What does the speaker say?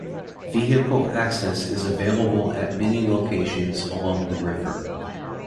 Vehicle access is available at many locations along the river.